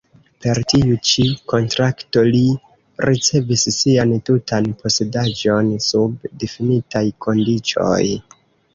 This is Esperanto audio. Per tiu ĉi kontrakto li ricevis sian tutan posedaĵon sub difinitaj kondiĉoj.